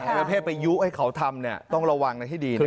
เวลาเพศไปยุ้งให้เขาทำเนี่ยต้องระวังนะที่ดีนะครับ